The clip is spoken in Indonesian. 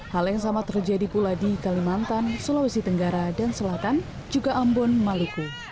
hal yang sama terjadi pula di kalimantan sulawesi tenggara dan selatan juga ambon maluku